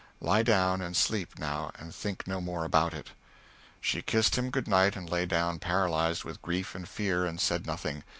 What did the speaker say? Lie down and sleep, now, and think no more about it." She kissed him good night and lay down paralyzed with grief and fear, but said nothing.